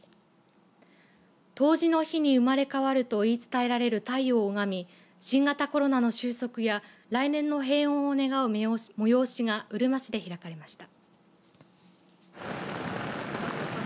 冬至の日に生まれ変わると言い伝えられる太陽を拝み新型コロナの収束や来年の平穏を願う催しがうるま市で開かれました。